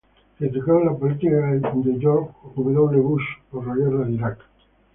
Criticó la política de George W. Bush por la guerra de Iraq.